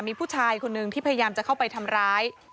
มีผู้ชายคนหนึ่งที่พยายามจะเข้าไปทำร้าย